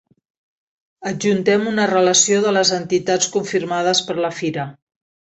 Adjuntem una relació de les entitats confirmades per la fira.